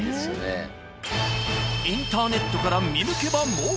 ［インターネットから見抜けば儲かる！］